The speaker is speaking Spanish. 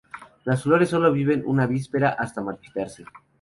Las flores viven solo una víspera hasta marchitarse.